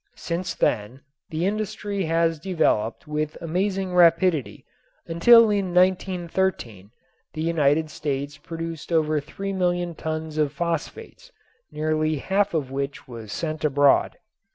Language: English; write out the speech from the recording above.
Since then the industry has developed with amazing rapidity until in 1913 the United States produced over three million tons of phosphates, nearly half of which was sent abroad.